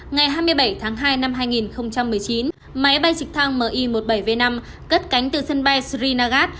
ngày hai mươi bảy tháng hai năm hai nghìn một mươi chín máy bay trực thăng mi một mươi bảy v năm cất cánh từ sân bay srinagat